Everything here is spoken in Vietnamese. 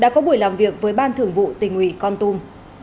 với ban thường vụ tỉnh ủy con tum